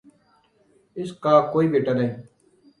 اس کا کوئی بیٹا نہیں